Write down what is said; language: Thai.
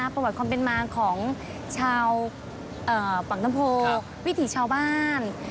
ประวัติความเป็นมาของชาวปากน้ำโพวิถีชาวบ้าน